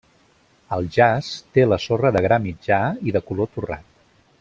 El jaç té la sorra de gra mitjà i de color torrat.